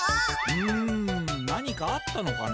うん何かあったのかな？